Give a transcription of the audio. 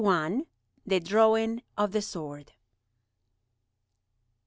THE DRAWING OF THE SWORD.